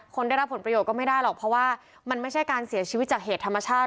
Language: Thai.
ได้รับผลประโยชนก็ไม่ได้หรอกเพราะว่ามันไม่ใช่การเสียชีวิตจากเหตุธรรมชาติ